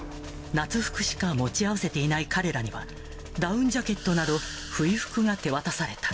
夏服しか持ち合わせていない彼らには、ダウンジャケットなど冬服が手渡された。